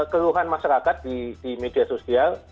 keluhan masyarakat di media sosial